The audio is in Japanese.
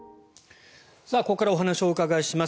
ここからお話を伺います。